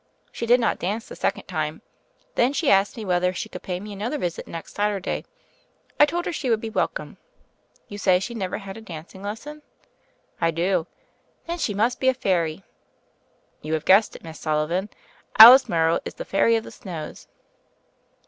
She did not dance the second time. Then she asked me whether she could pay me another visit next Saturday. I told her she would be welcome. You say she never had a dancing lesson?" "I do." "Then she must be a fairy." "You have guessed it. Miss Sullivan: Alice Morrow is the Fairy of the Snows."